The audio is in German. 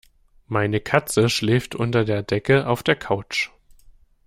Meine Katze schläft unter der Decke auf der Couch.